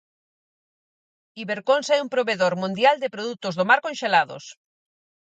Iberconsa é un provedor mundial de produtos do mar conxelados.